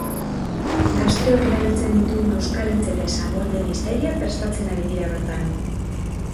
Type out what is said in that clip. Gazteok erabiltzen ditugun euskal hitz eta esamoldeen hiztegia prestatzen ari dira bertan.